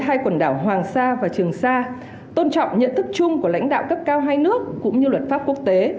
hai quần đảo hoàng sa và trường sa tôn trọng nhận thức chung của lãnh đạo cấp cao hai nước cũng như luật pháp quốc tế